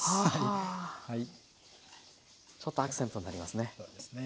ちょっとアクセントになりますね。